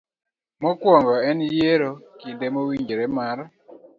Mokwongo, en yiero kinde mowinjore mar